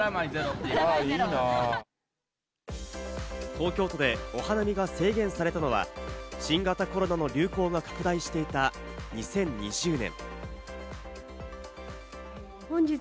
東京都でお花見が制限されたのは新型コロナの流行が拡大していた２０２０年。